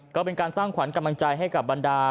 ก็เป็นการสร้างขวัญกำลังใจให้กับบรรดา